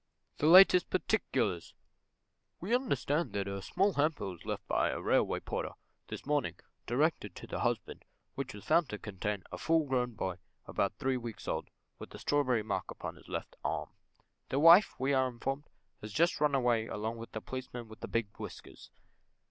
_) THE LATEST PARTICULARS! "We understand that a small hamper was left by a Railway porter, this morning, directed to the Husband, which was found to contain a full grown boy, about three weeks old, with a strawberry mark upon his left arm. The wife, we are informed, has just ran away along with the Policeman with the big whiskers.